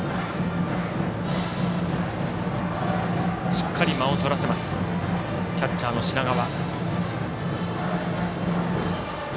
しっかり間をとらせますキャッチャーの品川。